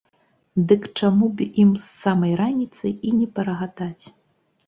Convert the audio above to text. Дык чаму б ім з самай раніцы і не парагатаць.